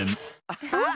アハッ！